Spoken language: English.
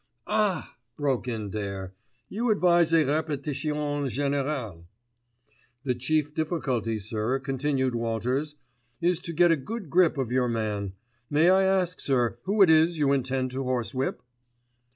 "Ah!" broke in Dare, "you advise a répétition générale." "The chief difficulty, sir," continued Walters, "is to get a good grip of your man. May I ask, sir, who it is you intend to horsewhip?"